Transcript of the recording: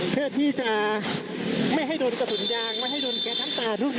เพื่อที่จะไม่ให้โดนกระสุนยางไม่ให้โดนแก๊สน้ำตาด้วย